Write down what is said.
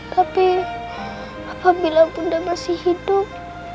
tapi apabila bunda masih hidup